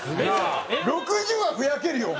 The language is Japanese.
６０はふやけるよお前。